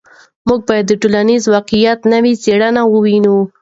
موږ به د ټولنیز واقعیت نوې څېره ووینو.